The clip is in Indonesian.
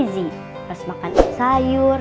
harus makan sayur